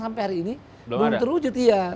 sampai hari ini belum terwujud iya